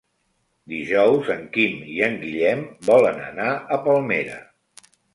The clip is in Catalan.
Dijous en Quim i en Guillem volen anar a Palmera.